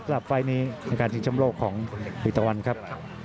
สำหรับไฟนี้ในการชิงชำโลกของเอตวันครับ